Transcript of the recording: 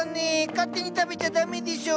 勝手に食べちゃだめでしょ。